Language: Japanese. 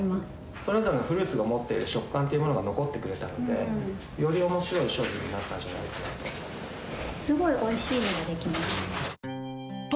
それぞれのフルーツが持っている食感というものが残ってくれたので、よりおもしろい商品になったんじゃないかなと。